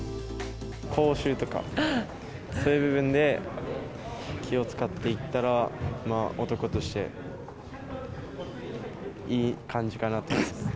口臭とか、そういう部分で気を遣っていったら、男として、いい感じかなと思います。